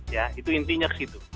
ya itu intinya ke situ